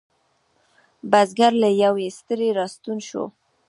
بزگر له یویې ستړی را ستون شو.